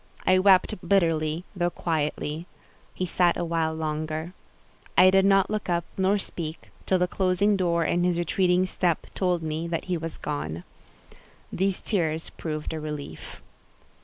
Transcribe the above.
I wept bitterly, though quietly. He sat a while longer. I did not look up nor speak, till the closing door and his retreating step told me that he was gone. These tears proved a relief.